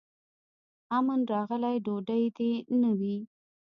امن راغلی ډوډۍ دي نه وي